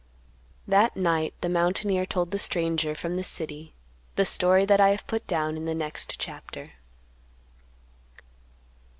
That night the mountaineer told the stranger from the city the story that I have put down in the next chapter.